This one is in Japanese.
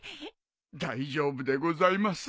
大丈夫でございます。